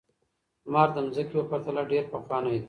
لمر د ځمکې په پرتله ډېر پخوانی دی.